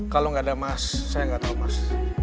kalo gak ada mas saya gak tau mas